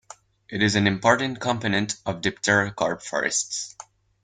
It is an important component of dipterocarp forests.